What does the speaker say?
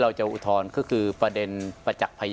อันดับที่สุดท้าย